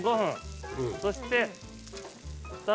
そして。